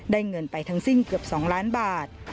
เงินไปทั้งสิ้นเกือบ๒ล้านบาท